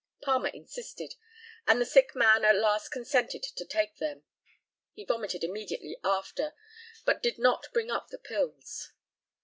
Palmer insisted, and the sick man at last consented to take them. He vomited immediately after, but did not bring up the pills.